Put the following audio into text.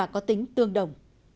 có tính tương đồng